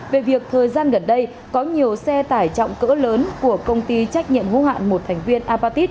về việc thời gian gần đây có nhiều xe tải trọng cỡ lớn của công ty trách nhiệm hữu hạn một thành viên apatit